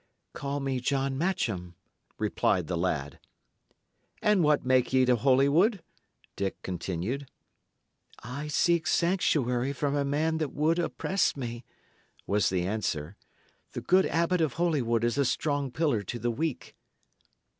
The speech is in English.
"Call me John Matcham," replied the lad. "And what make ye to Holywood?" Dick continued. "I seek sanctuary from a man that would oppress me," was the answer. "The good Abbot of Holywood is a strong pillar to the weak."